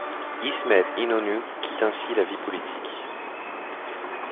İsmet İnönü quitte ainsi la vie politique.